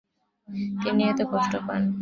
তিনি এতে কষ্ট পান।